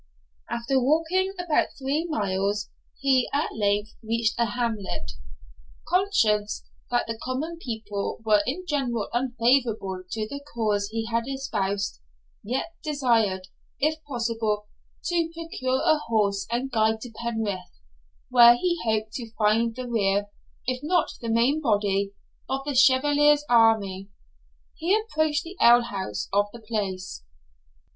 After walking about three miles, he at length reached a hamlet. Conscious that the common people were in general unfavourable to the cause he had espoused, yet desirous, if possible, to procure a horse and guide to Penrith, where he hoped to find the rear, if not the main body, of the Chevalier's army, he approached the alehouse of the place.